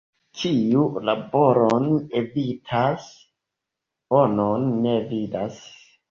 Kiu laboron evitas, bonon ne vidas.